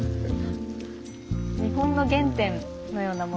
日本の原点のようなもの。